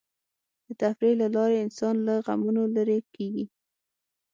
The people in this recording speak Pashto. د تفریح له لارې انسان له غمونو لرې کېږي.